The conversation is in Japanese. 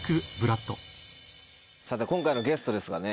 さて今回のゲストですがね